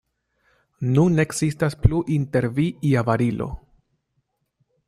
Nun ne ekzistas plu inter vi ia barilo.